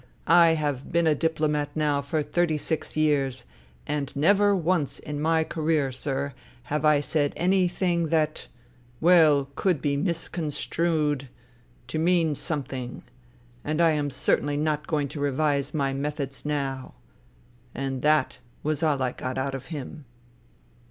I have been a diplomat now for thirty six years, and never once in my career, sir, have I said anything that ... weU, could be misconstrued ... to mean something. And I am certainly not going to revise my methods now.' And that was all I got out of him."